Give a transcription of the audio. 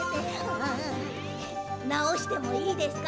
うううなおしてもいいですか？